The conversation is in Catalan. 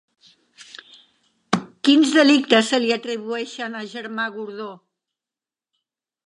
Quins delictes se li atribueixen a Germà Gordó?